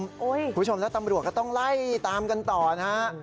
คุณผู้ชมแล้วตำรวจก็ต้องไล่ตามกันต่อนะฮะ